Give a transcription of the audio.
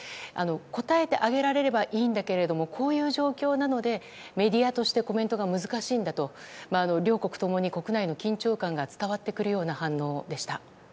答えてあげられればいいんだけれどこういう状況なのでメディアとしてコメントが難しいんだと両国ともに国内の緊張感が伝わってくるような反応でした。